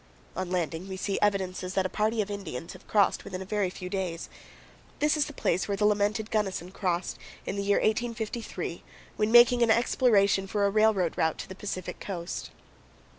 On landing, we see evidences that a party of Indians have crossed within a very few days. This is the place where the lamented Gunnison crossed, in the year 1853, when making an exploration for a railroad route to the Pacific coast.